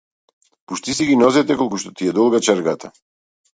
Пушти си ги нозете колку што ти е долга чергата.